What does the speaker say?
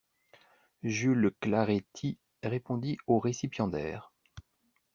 Jules Clarétie répondit au récipiendaire.